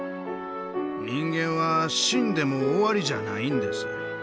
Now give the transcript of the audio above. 人間は、死んでも終わりじゃないんです。